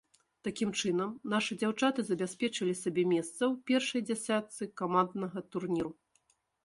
Такім чынам, нашы дзяўчаты забяспечылі сабе месца ў першай дзесятцы каманднага турніру.